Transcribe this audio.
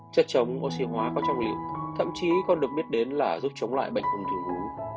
chất chống oxy hóa có trong y thậm chí còn được biết đến là giúp chống lại bệnh ung thư vú